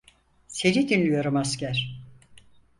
Seni dinliyorum asker.